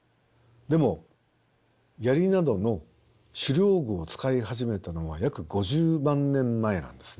でも槍などの狩猟具を使い始めたのは約５０万年前なんですね。